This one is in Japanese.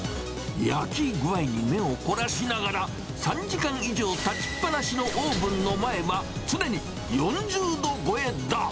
焼き具合に目を凝らしながら、３時間以上立ちっぱなしのオーブンの前は、常に４０度超えだ。